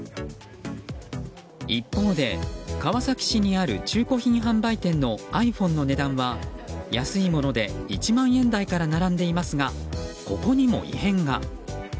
一方で川崎市にある中古品販売店のｉＰｈｏｎｅの値段は安いもので１万円台から並んでいますがここにも異変が。